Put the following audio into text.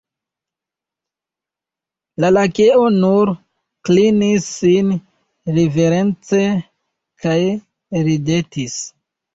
La Lakeo nur klinis sin riverence kaj ridetis.